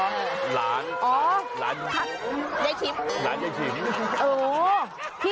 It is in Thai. ล้านล้านล้านอย่างทริปนี่มันคือโอ้โฮ